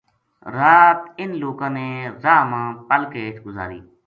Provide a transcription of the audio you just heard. را ت اِنھ لوکاں نے راہ ما پَل کے ہیٹھ گُزاری